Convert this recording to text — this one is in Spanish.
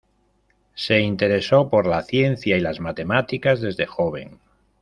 Se interesó por la ciencia y las matemáticas desde joven.